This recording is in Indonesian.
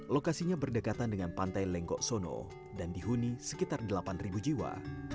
lokasinya berdekatan dengan pantai lenggok sono dan dihuni sekitar delapan jiwa